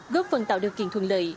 góp phần tạo điều kiện thuận lợi